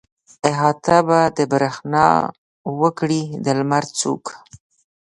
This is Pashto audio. احاطه به د برېښنا وکړي د لمر څوک.